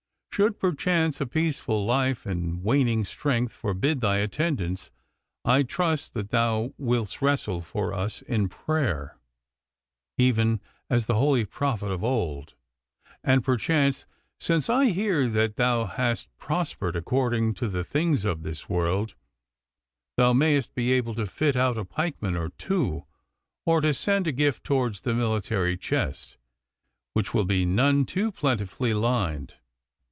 Should perchance a peaceful life and waning strength forbid thy attendance, I trust that thou wilt wrestle for us in prayer, even as the holy prophet of old; and perchance, since I hear that thou hast prospered according to the things of this world, thou mayst be able to fit out a pikeman or two, or to send a gift towards the military chest, which will be none too plentifully lined.